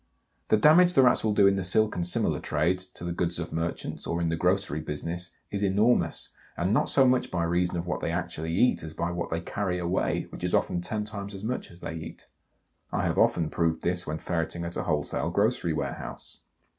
The damage the Rats will do in the silk and similar trades, to the goods of merchants, or in the grocery business, is enormous, and not so much by reason of what they actually eat as by what they carry away, which is often ten times as much as they eat. I have often proved this when ferreting at a wholesale grocery warehouse.